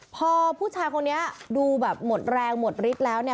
พอผู้ชายคนนี้ดูแบบหมดแรงหมดฤทธิ์แล้วเนี่ย